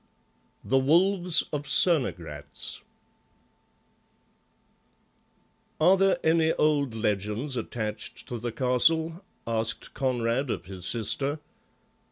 THE WOLVES OF CERNOGRATZ "Are there any old legends attached to the castle?" asked Conrad of his sister.